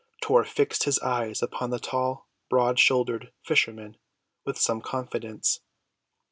Tor fixed his eyes upon the tall, broad‐shouldered fisherman with some confidence.